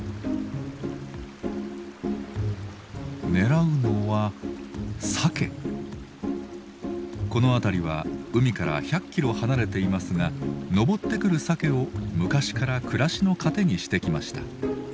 狙うのはこの辺りは海から１００キロ離れていますが上ってくるサケを昔から暮らしの糧にしてきました。